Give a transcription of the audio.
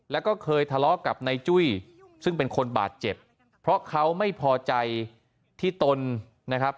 แล้วก็เคยทะเลาะกับนายจุ้ยซึ่งเป็นคนบาดเจ็บเพราะเขาไม่พอใจที่ตนนะครับ